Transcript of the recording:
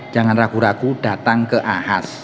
jangan ragu ragu datang ke ahas